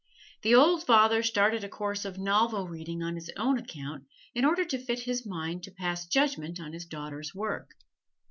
The old father started a course of novel reading on his own account in order to fit his mind to pass judgment on his daughter's work.